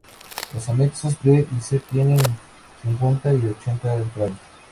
Los anexos "B" y "C" tienen cincuenta y ocho entradas.